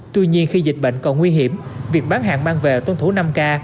tuy nhiên khi dịch bệnh còn nguy hiểm việc bán hàng mang về tuân thủ năm k